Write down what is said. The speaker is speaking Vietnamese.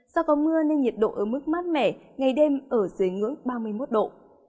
do có mưa nên nhiệt độ ở mức mát mẻ ngày đêm ở dưới ngưỡng ba mươi một độ